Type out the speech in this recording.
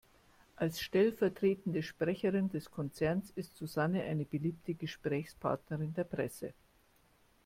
Als stellvertretende Sprecherin des Konzerns ist Susanne eine beliebte Gesprächspartnerin der Presse.